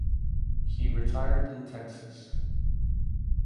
He retired in Texas.